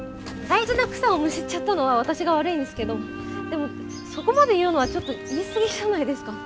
大事な草をむしっちゃったのは私が悪いんですけどでもそこまで言うのはちょっと言い過ぎじゃないですか。